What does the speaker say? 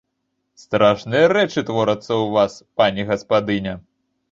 Страшныя рэчы творацца ў вас, пані гаспадыня!